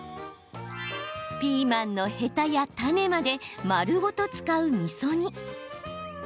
ピーマンのヘタや種まで丸ごと使う、みそ煮。